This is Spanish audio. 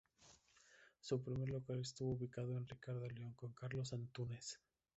Su primer local estuvo ubicado en Ricardo Lyon con Carlos Antúnez.